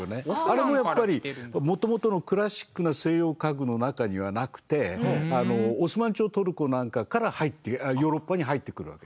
あれもやっぱりもともとのクラシックな西洋家具の中にはなくてオスマン朝トルコなんかからヨーロッパに入ってくるわけ。